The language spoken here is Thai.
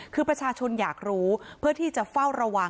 คือประชาชนอยากรู้เพื่อที่จะ